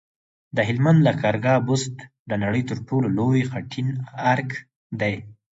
د هلمند لښکرګاه بست د نړۍ تر ټولو لوی خټین ارک دی